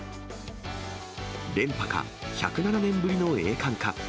連覇か、１０７年ぶりの栄冠か。